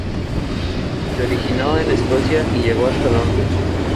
Se originó en Escocia, y llegó hasta Londres.